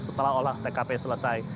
setelah tkp selesai